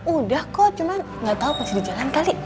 udah kok cuman gak tau pasti di jalan kali